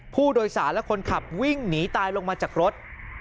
ผู้โดยสารและคนขับวิ่งหนีตายลงมาจากรถ